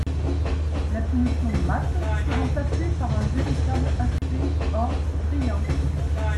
La finition mate fut remplacée par un véritable aspect or brillant.